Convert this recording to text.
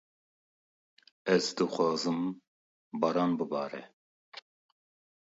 Ez dixwazim, baran bibare